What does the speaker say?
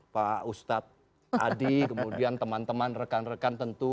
pak ustadz adi kemudian teman teman rekan rekan tentu